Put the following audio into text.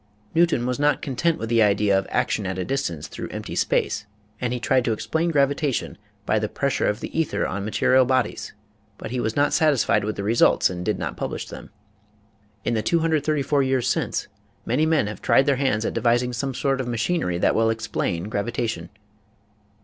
Newton was not content with the idea of action at a distance through empty space and he tried to explain gravitation by the pres sure of the ether on material bodies but he was not satisfied with the results and did not publish them. In the 234 years since many men have tried their hands at devising some sort of machinery that will " explain " gravitation.